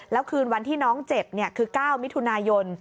แล้วคืนวันที่น้องเจ็บคือ๙มิถุนายน